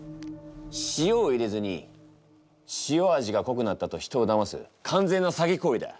塩を入れずに塩味がこくなったと人をだます完全なさぎこういだ！